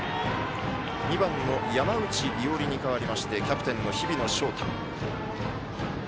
２番の山内伊織に代わりましてキャプテンの日比野翔太。